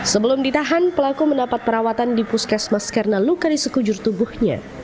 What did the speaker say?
sebelum ditahan pelaku mendapat perawatan di puskesmas karena luka di sekujur tubuhnya